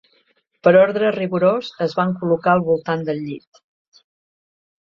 Per ordre rigorós es van col·locar al voltant del llit.